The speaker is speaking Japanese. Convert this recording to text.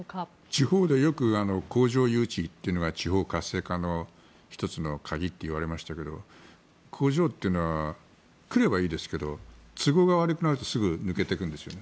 地方でよく工場誘致というのが地方活性化の１つの鍵といわれましたが工場というのは来ればいいですけど都合が悪くなるとすぐ抜けていくんですね。